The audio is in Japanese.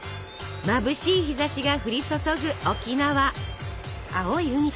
まぶしい日ざしが降り注ぐ沖縄。